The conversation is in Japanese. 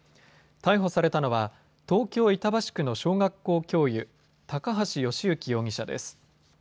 逮捕されたのは東京板橋区の小学校教諭、高橋慶行容疑者です。